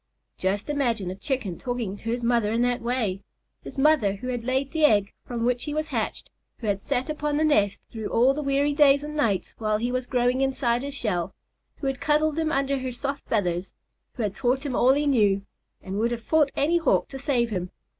Just imagine a Chicken talking to his mother in that way! His mother, who had laid the egg from which he was hatched; who had sat upon the nest through all the weary days and nights while he was growing inside his shell; who had cuddled him under her soft feathers; who had taught him all he knew, and would have fought any hawk to save him!